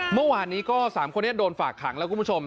เมื่อวานนี้ก็๓คนนี้โดนฝากขังแล้วคุณผู้ชม